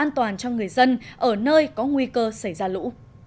an toàn cho người dân ở nơi có nguy cơ xảy ra lũ